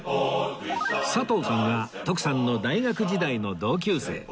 佐藤さんは徳さんの大学時代の同級生